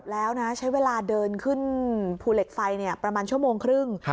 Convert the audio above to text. แล้วนะใช้เวลาเดินขึ้นภูเหล็กไฟประมาณชั่วโมงครึ่ง